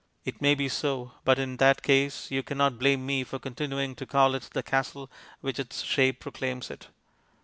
It may be so, but in that case you cannot blame me for continuing to call it the castle which its shape proclaims it.